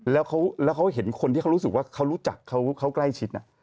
แล้วเขาเห็นคนที่เขารู้สึกว่าเขารู้จักเขาใกล้ชิด